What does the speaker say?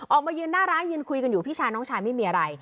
ออกมายืนหน้าร้านยืนคุยกันอยู่พี่ชายน้องชายไม่มีอะไร